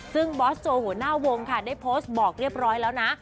ซึ่งบอสโจหัวหน้าวงค่ะได้โพสต์บอกเรียบร้อยแล้วนะ